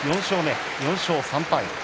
４勝３敗。